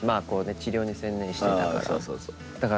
治療に専念してたから。